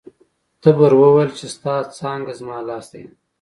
تبر وویل چې ستا څانګه زما لاستی دی.